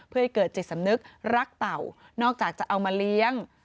เพื่อให้เกิดจิตสำนึกรักเต่านอกจากจะเอามาเลี้ยง